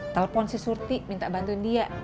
telepon si surti minta bantuin dia